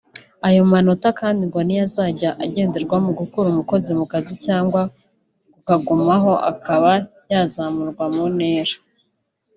Ayo manota kandi ngo niyo azajya agenderwaho mu gukura umukozi ku kazi cyangwa kukagumaho akaba yazamurwa mu ntera